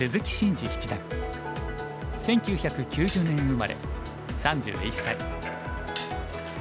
１９９０年生まれ３１歳。